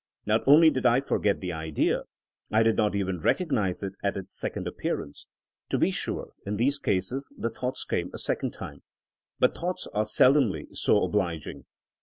Not only did I forget the idea ; I did not even recognize it at its second appearance. To be sure, in these cases the thoughts came a sec ond time. But thoughts are seldom so oblig ing.